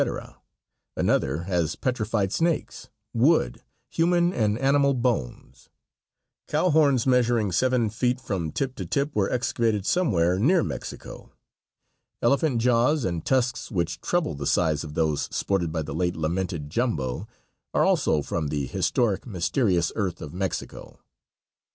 Another has petrified snakes, wood, human and animal bones. Cow horns measuring seven feet from tip to tip were excavated somewhere near Mexico. Elephant jaws and tusks which treble the size of those sported by the late lamented Jumbo are also from the historic, mysterious earth of Mexico.